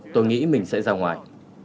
tôi nghĩ mình sẽ ra ngoài